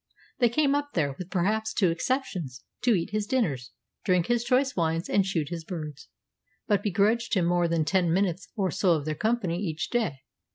They came up there with perhaps two exceptions to eat his dinners, drink his choice wines, and shoot his birds, but begrudged him more than ten minutes or so of their company each day.